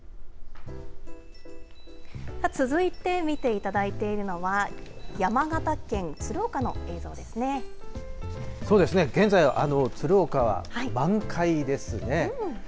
続いて見ていただいているのは、そうですね、現在、鶴岡は満開ですね。